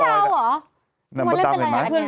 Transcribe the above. เป็นการกระตุ้นการไหลเวียนของเลือด